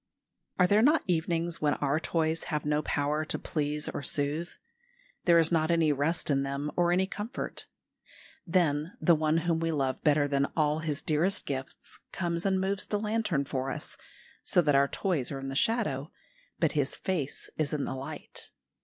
Are there not evenings when our toys have no power to please or soothe? There is not any rest in them or any comfort. Then the One whom we love better than all His dearest gifts comes and moves the lantern for us, so that our toys are in the shadow but His face is in the light.